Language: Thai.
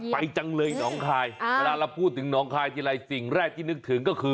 จังเลยหนองคายเวลาเราพูดถึงหนองคายทีไรสิ่งแรกที่นึกถึงก็คือ